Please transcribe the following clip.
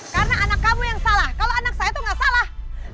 karena anak kamu yang salah kalau anak saya tuh gak salah